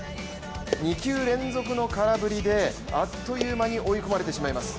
２球連続の空振りであっという間に追い込まれてしまいます。